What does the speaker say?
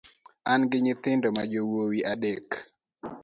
Angi nyithindo ma jowuoi adek.